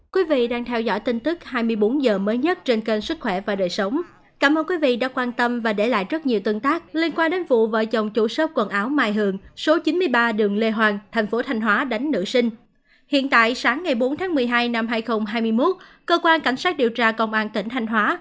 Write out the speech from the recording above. các bạn hãy đăng ký kênh để ủng hộ kênh của chúng mình nhé